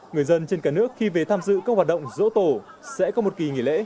người dân trên cả nước khi về tham dự các hoạt động dỗ tổ sẽ có một kỳ nghỉ lễ